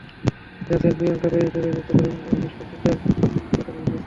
র্যা চেল প্রিয়াঙ্কা প্যারিস গৌড়ীয় নৃত্যে পরিবেশন করেন বিষ্ণুর দশাবতারের কথা।